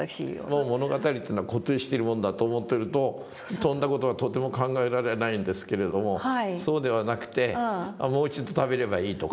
もう物語というのは固定してるもんだと思ってるとそんな事はとても考えられないんですけれどもそうではなくてもう一度食べればいいとか。